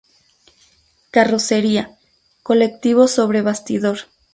Carrocería: colectivo sobre bastidor.